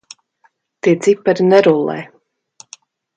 Tie cipari nerullē.